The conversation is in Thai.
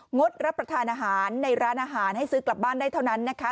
งดรับประทานอาหารในร้านอาหารให้ซื้อกลับบ้านได้เท่านั้นนะคะ